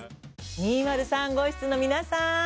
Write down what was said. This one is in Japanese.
２０３号室の皆さん！